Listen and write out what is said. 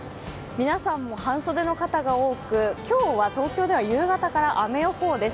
皆さんも半袖の方が多く、今日は東京では夕方から雨予報です。